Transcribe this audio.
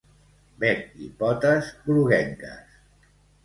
Bec i potes groguenques.